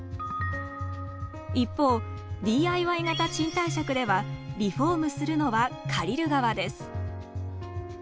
一方ＤＩＹ型賃貸借ではリフォームするのは借りる側です。